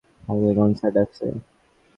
কালকে কনসার্ট আছে।